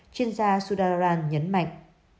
chuyên gia sudha rarang nhấn mạnh